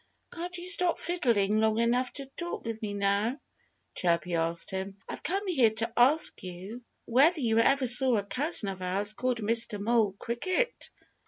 "Can't you stop fiddling long enough to talk with me now?" Chirpy asked him. "I've come here to ask you whether you ever saw a cousin of ours called Mr. Mole Cricket."